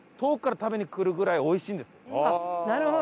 なるほど！